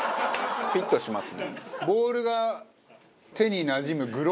フィットしますね。